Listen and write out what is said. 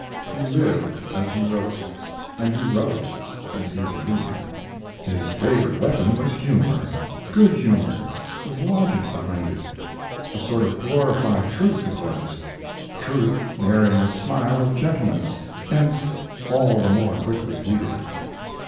He lived as he wrote, and he wrote as he believed. His favorite weapon was humor good humor with logic behind it. A sort of glorified truth it was truth wearing a smile of gentleness, hence all the more quickly heeded.